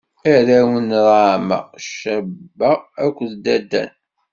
Arraw n Raɛma: Caba akked Dadan.